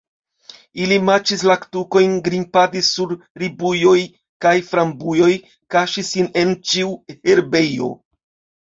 Ili maĉis laktukojn, grimpadis sur ribujoj kaj frambujoj, kaŝis sin en ĉiu herbejo.